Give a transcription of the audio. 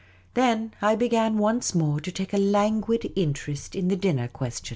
Then I began once more to take a languid interest in the dinner question.